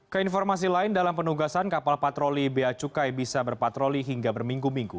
keinformasi lain dalam penugasan kapal patroli beacukai bisa berpatroli hingga berminggu minggu